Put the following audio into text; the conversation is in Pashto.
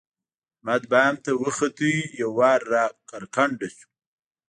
احمد بام ته خوت؛ یو وار را کرکنډه شو.